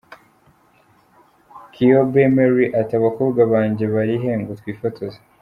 Kiyobe Merry ati "Abakobwa banjye bari he ngo twifotoze".